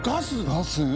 ガス？